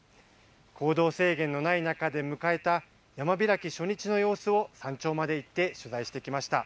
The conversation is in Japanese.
行動制限のない中で迎えた山開き初日の様子を山頂まで行って取材してきました。